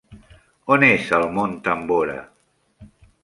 On és el Mont Tambora?